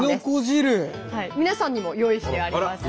皆さんにも用意してあります。